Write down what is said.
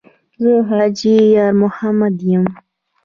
ـ زه حاجي یارمحمد یم.